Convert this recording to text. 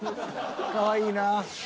かわいいな。